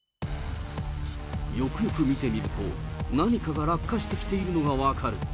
よくよく見てみると、何かが落下してきているのが分かる。